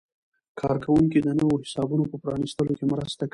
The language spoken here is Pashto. کارکوونکي د نویو حسابونو په پرانیستلو کې مرسته کوي.